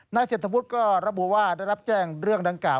เศรษฐวุฒิก็ระบุว่าได้รับแจ้งเรื่องดังกล่าว